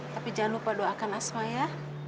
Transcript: tapi jangan lupa doakan asma ya